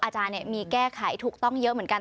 อาจารย์มีแก้ไขถูกต้องเยอะเหมือนกัน